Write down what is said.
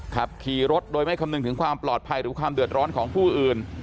ขับขี่รถโดยไม่คำนึงถึงความปลอดภัยหรือความเดือดร้อนของผู้อื่น